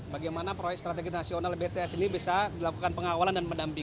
bagaimana proyek strategi nasional bts ini bisa dilakukan pengawalan dan mendampingi